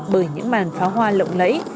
bởi những màn phá hoa lộng lẫy